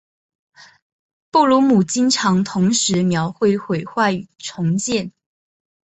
布鲁姆经常同时描绘毁坏与重建。